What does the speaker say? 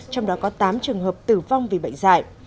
trong đó có tám trường hợp tử vong vì bệnh dạy